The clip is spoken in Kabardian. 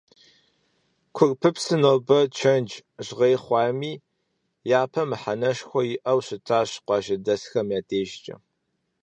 Курпыпсыр нобэ чэнж, жьгъей хъуами, япэм мыхьэнэшхуэ иӏэу щытащ къуажэдэсхэм я дежкӏэ.